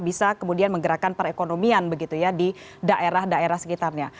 bisa kemudian menggerakkan perekonomian begitu ya di daerah daerah sekitarnya